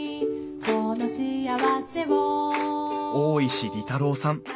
大石利太郎さん。